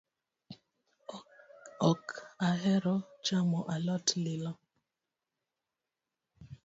Ok ahero chamo alot lilo